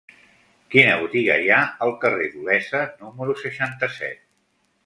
Quina botiga hi ha al carrer d'Olesa número seixanta-set?